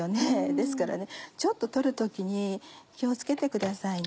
ですから取る時に気を付けてくださいね。